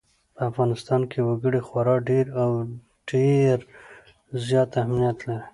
په افغانستان کې وګړي خورا ډېر او ډېر زیات اهمیت لري.